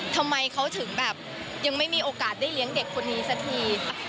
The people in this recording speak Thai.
ทำไมเขาถึงแบบยังไม่มีโอกาสได้เลี้ยงเด็กคนนี้สักที